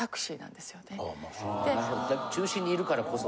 中心にいるからこそ。